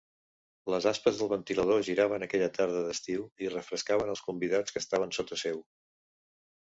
Les aspes del ventilador giraven aquella tarda d'estiu i refrescaven els convidats que estaven sota seu.